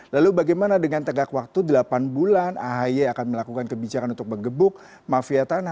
lalu bagaimana dengan tegak waktu delapan bulan ahy akan melakukan kebijakan untuk mengebuk mafia tanah